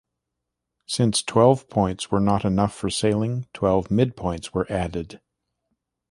Since twelve points were not enough for sailing, twelve midpoints were added.